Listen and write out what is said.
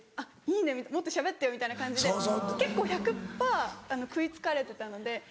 いいねもっとしゃべってよ」みたいな感じで結構１００％食い付かれてたので。